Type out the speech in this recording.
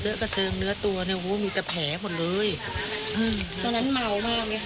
เนื้อตัวเนื้อตัวเนี่ยโหมีแต่แผลหมดเลยอืมตอนนั้นเมามากมั้ยคะ